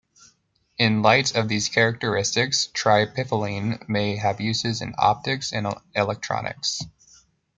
In light of these characteristics, triphenylene may have uses in optics and electronics.